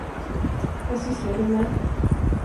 Vad sysslar du med?